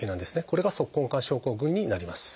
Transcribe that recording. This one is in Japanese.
これが足根管症候群になります。